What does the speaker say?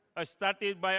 oleh para pendahulu